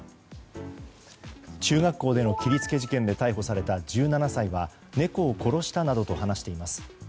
中学校での切り付け事件で逮捕された１７歳は猫を殺したなどと話しています。